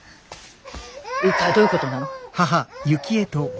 一体どういうことなの？